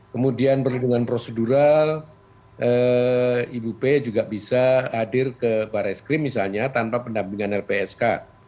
kemudian perlindungan prosedural ibu p juga bisa hadir ke baris krim misalnya tanpa pendampingan lpsk